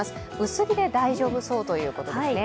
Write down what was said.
薄着で大丈夫そうということですね。